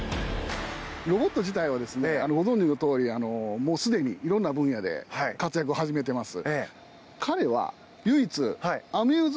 ロボット自体はご存じのとおり、いろんな分野で活躍を始めています。